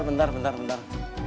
bentar bentar bentar